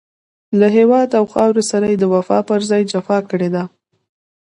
له هېواد او خاورې سره يې د وفا پر ځای جفا کړې ده.